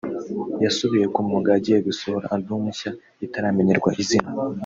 yasubiye ku mwuga agiye gusohora Alubum nshya itaramenyerwa izina